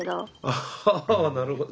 あなるほど。